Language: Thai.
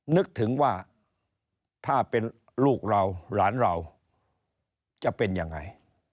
นึกถึงว่าถ้าเป็นลูกเราหลานเราจะเป็นยังไง